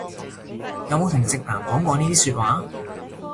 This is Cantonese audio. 有冇同直男講過呢啲説話